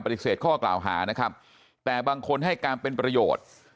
ข้อกล่าวหานะครับแต่บางคนให้การเป็นประโยชน์